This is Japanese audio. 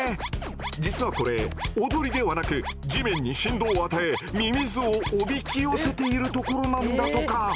実はこれ踊りではなく地面に振動を与えミミズをおびき寄せているところなんだとか。